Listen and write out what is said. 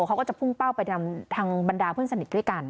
เขาก็จะพุ่งเป้าไปทางบรรดาเพื่อนสนิทด้วยกัน